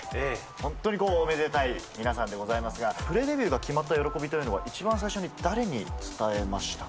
ホントにおめでたい皆さんでございますがプレデビューが決まった喜びというのは一番最初に誰に伝えましたか？